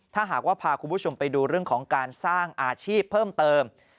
ถ้าหากว่าพาคุณผู้ชมไปดูเรื่องของการสร้างอาชีพเพิ่มเติม